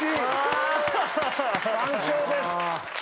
３笑です。